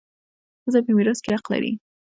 ښځه په میراث کي حق لري.